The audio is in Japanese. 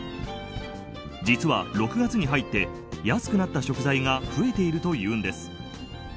実は６月に入って安くなった食材が増えているというんです。